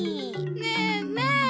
ねえねえ！